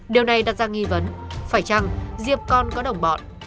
điều này đặt ra nghi vấn phải chăng diệp còn có đồng bọn